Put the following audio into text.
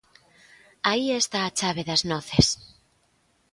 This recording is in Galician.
Aí está a chave das noces.